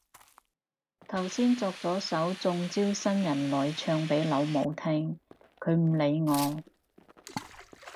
頭先作咗首中招新人類唱俾老母聽，佢唔理我